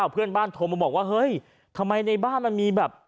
เพื่อนบ้านโทรมาบอกว่าเฮ้ยทำไมในบ้านมันมีแบบ